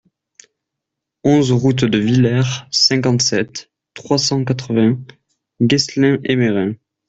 onze route de Viller, cinquante-sept, trois cent quatre-vingts, Guessling-Hémering